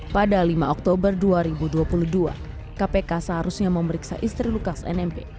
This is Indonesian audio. pada lima oktober dua ribu dua puluh dua kpk seharusnya memeriksa istri lukas nmb